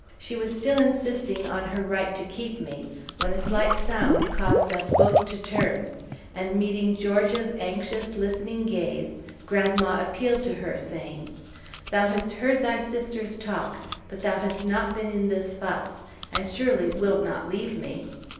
She was still insisting on her right to keep me, when a slight sound caused us both to turn, and meeting Georgia's anxious, listening gaze, grandma appealed to her, saying, "Thou hast heard thy sister's talk, but thou hast not been in this fuss, and surely wilt not leave me?"